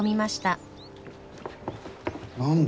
何だ？